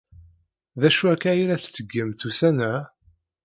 D acu akka ay la tettgemt ussan-a?